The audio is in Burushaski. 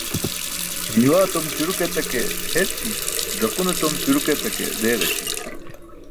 Miiwaa tom ćuruk etake herći̇. Ẓakun tom ćuruk etake deeġaśi.